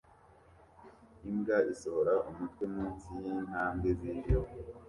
Imbwa isohora umutwe munsi yintambwe zijimye